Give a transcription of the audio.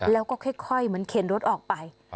แล้วก็ค่อยเหมือนเข็นรถออกไป